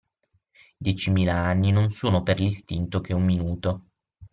Diecimila anni non sono per l’istinto che un minuto.